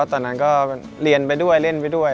ตอนนั้นก็เรียนไปด้วยเล่นไปด้วย